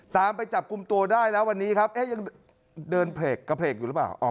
ไปจับกลุ่มตัวได้แล้ววันนี้ครับเอ๊ะยังเดินกระเพลกอยู่หรือเปล่า